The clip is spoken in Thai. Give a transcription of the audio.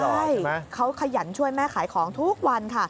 ใช่เขาขยันช่วยแม่ขายของทุกวันค่ะ